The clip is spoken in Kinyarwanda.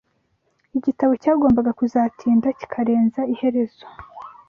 igitabo cyagombaga kuzatinda kikarenza iherezo